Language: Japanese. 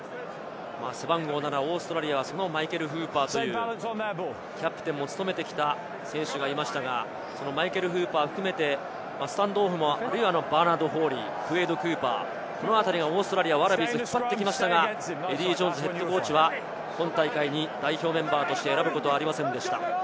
背番号７、オーストラリアはマイケル・フーパーという、キャプテンも務めてきた選手がいましたが、マイケル・フーパーを含めてスタンドオフも、バーナード・フォーリー、クエイド・クーパー、この辺りもオーストラリア、ワラビーズを使ってきましたが、エディー・ジョーンズＨＣは、今大会に代表メンバーとして選ぶことはありませんでした。